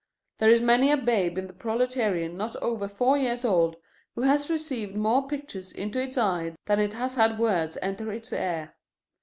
There is many a babe in the proletariat not over four years old who has received more pictures into its eye than it has had words enter its ear.